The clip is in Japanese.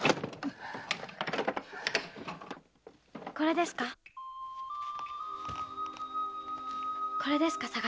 ・これですか？